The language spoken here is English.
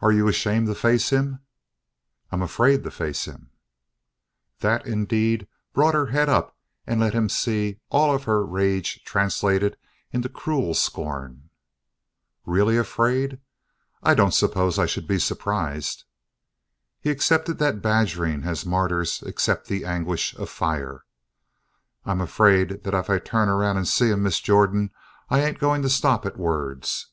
"Are you ashamed to face him?" "I'm afraid to face him." That, indeed, brought her head up and let him see all of her rage translated into cruel scorn. "Really afraid? I don't suppose I should be surprised." He accepted that badgering as martyrs accept the anguish of fire. "I'm afraid that if I turn around and see him, Miss Jordan, I ain't going to stop at words."